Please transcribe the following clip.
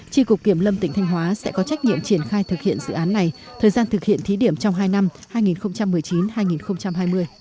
tri cục kiểm lâm tỉnh thanh hóa sẽ có trách nhiệm triển khai thực hiện dự án này thời gian thực hiện thí điểm trong hai năm hai nghìn một mươi chín hai nghìn hai mươi